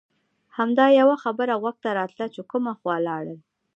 همدا یوه خبره غوږ ته راتله چې کومه خوا لاړل.